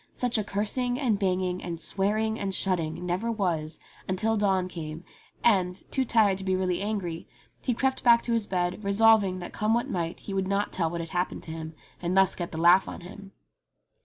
Such a cursing, and banging, and swearing, and shutting, never was, until dawn came, and, 66 ENGLISH FAIRY TALES too tired to be really angry, he crept back to his bed, resolving that come what might he would not tell what had happened to him and thus get the laugh on him.